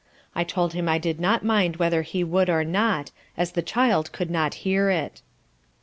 I told him I did not mind whether he would or not, as the child could not hear it.